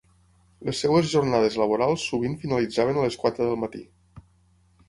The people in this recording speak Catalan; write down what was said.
Les seves jornades laborals sovint finalitzaven a les quatre del matí.